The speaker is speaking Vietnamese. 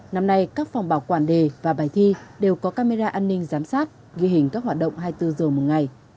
năm nay các phòng bảo quản đề và bài thi đều có camera an ninh giám sát ghi hình các hoạt động hai mươi bốn h một ngày